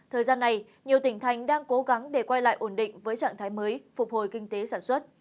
thời gian này nhiều tỉnh thành đang cố gắng để quay lại ổn định với trạng thái mới phục hồi kinh tế sản xuất